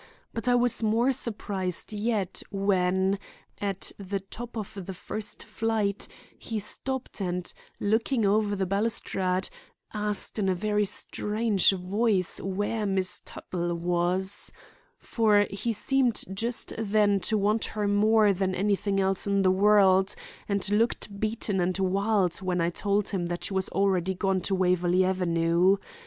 But I was more surprised yet when, at the top of the first flight, he stopped and, looking over the balustrade, asked in a very strange voice where Miss Tuttle was. For he seemed just then to want her more than anything else in the world and looked beaten and wild when I told him that she was already gone to Waverley Avenue.